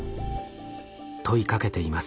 問いかけています。